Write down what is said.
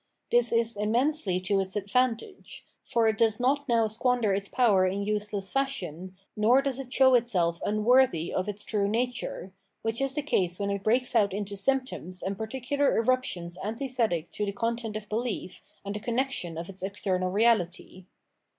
This is immensely to its advantage; for it does not now squander its power in useless fashion, nor does it show itself unworthy of its true nature — ^wbicb is tbe case when it breaks out into symptoms and par ticular eruptions antithetic to tbe content of bebef and tbe connexion of its external reabty.